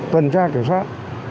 tuần tra kiểm soát